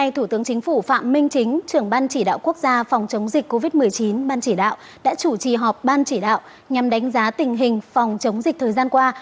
thủ tướng chính phủ phạm minh chính chủ trì họp ban chỉ đạo nhằm đánh giá tình hình phòng chống dịch thời gian qua